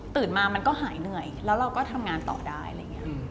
มามันก็หายเหนื่อยแล้วเราก็ทำงานต่อได้อะไรอย่างนี้